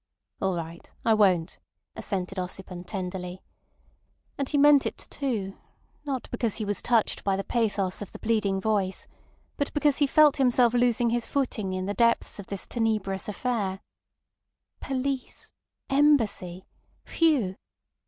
"All right. I won't," assented Ossipon tenderly. And he meant it too, not because he was touched by the pathos of the pleading voice, but because he felt himself losing his footing in the depths of this tenebrous affair. Police! Embassy! Phew!